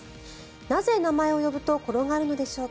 なぜ名前を呼ぶと転がるのでしょうか。